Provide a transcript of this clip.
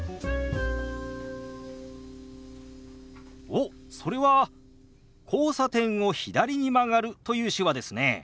おっそれは「交差点を左に曲がる」という手話ですね。